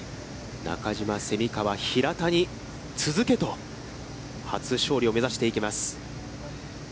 中島、蝉川、平田に続けと、初勝利を目指していきます。